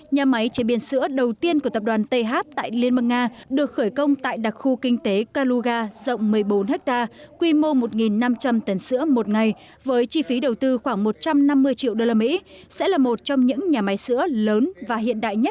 nhà máy chế biến sữa đầu tiên của tập đoàn th tại liên bang nga được khởi công tại đặc khu kinh tế kaluga rộng một mươi bốn ha quy mô một năm trăm linh tấn sữa một ngày với chi phí đầu tư khoảng một trăm năm mươi triệu usd sẽ là một trong những nhà máy sữa lớn và hiện đại nhất